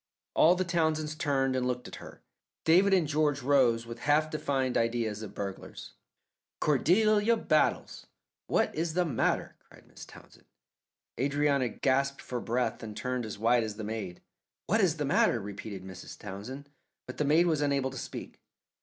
All the Townsends turned and looked at her. David and George rose with a half defined idea of burglars. "Cordelia Battles, what is the matter?" cried Mrs. Townsend. Adrianna gasped for breath and turned as white as the maid. "What is the matter?" repeated Mrs. Townsend, but the maid was unable to speak.